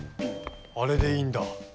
あれでいいんだ。